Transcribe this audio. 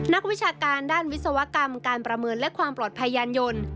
นักวิชาการด้านวิศวกรรมการประเมินและความปลอดภัยยานยนต์